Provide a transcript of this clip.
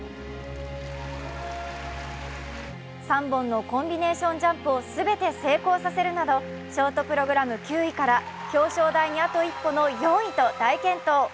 ３本のコンビネーションジャンプを全て成功させるなどショートプログラム９位から表彰台にあと一歩の４位と大健闘。